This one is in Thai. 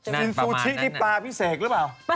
กินซูชิไอ้ปลาพี่เสกหรือเปล่า